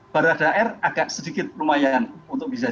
barada r agak sedikit lumayan untuk bisa dilihat